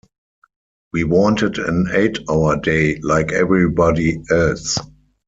We wanted an eight-hour day like everybody else.